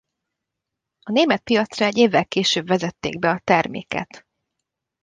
A német piacra egy évvel később vezették be a terméket.